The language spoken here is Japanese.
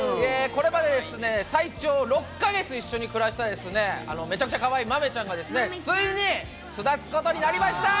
これまでですね、最長６か月一緒に暮らした、めちゃくちゃかわいい豆ちゃんがですね、ついに巣立つことになりました。